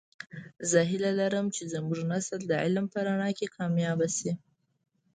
زه هیله لرم چې زمونږنسل د علم په رڼا کې کامیابه شي